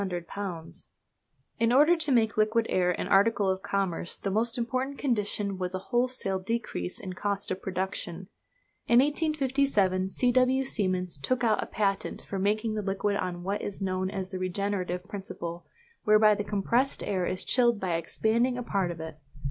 In order to make liquid air an article of commerce the most important condition was a wholesale decrease in cost of production. In 1857 C. W. Siemens took out a patent for making the liquid on what is known as the regenerative principle, whereby the compressed air is chilled by expanding a part of it.